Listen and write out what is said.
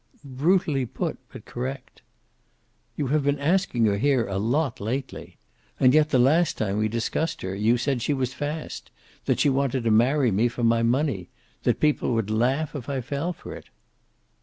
"Brutally put, but correct." "You have been asking her here a lot lately. And yet the last time we discussed her you said she was fast. That she wanted to marry me for my money. That people would laugh if I fell for it."